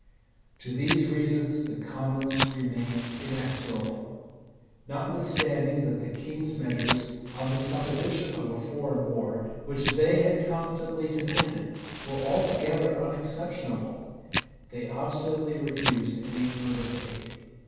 [] To these reasons the commons remained inexorable. Notwithstanding that the king's measures, on the supposition of a foreign war, which they had constantly demanded, were altogether unexceptionable, they obstinately refused any further aid.